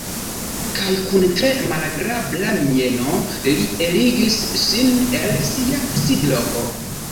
Kaj kun tre malagrabla mieno li eligis sin el sia sidloko.